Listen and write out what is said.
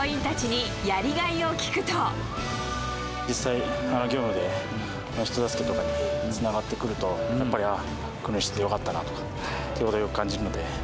実際、業務で人助けとかにつながってくると、やっぱり、ああ、訓練しててよかったなと感じるので。